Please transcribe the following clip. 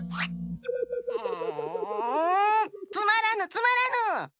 うんつまらぬつまらぬ！